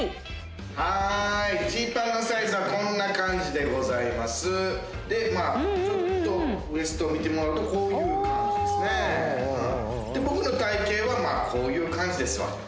はーいジーパンのサイズはこんな感じでございますでまあちょっとウエストを見てもらうとこういう感じですねで僕の体形はまあこういう感じですわ